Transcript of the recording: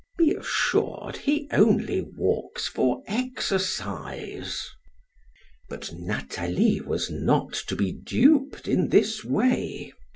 Be assured, he only walks for exercise." But Nathalie was not to be duped in this way.